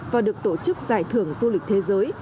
và được tổ chức giải thưởng du lịch thế giới